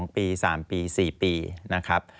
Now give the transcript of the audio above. ๒ปี๓ปี๔ปีนะครับ